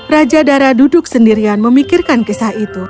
raja dara duduk sendirian memikirkan kisah itu